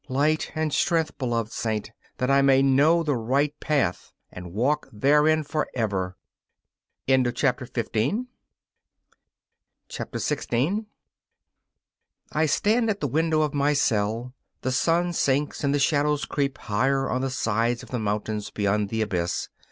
Light and strength, beloved Saint, that I may know the right path, and walk therein forever! 16 I stand at the window of my cell. The sun sinks and the shadows creep higher on the sides of the mountains beyond the abyss.